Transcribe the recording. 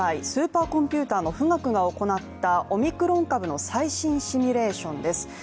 スーパーコンピュータの富岳が行ったオミクロン株の最新シミュレーションです。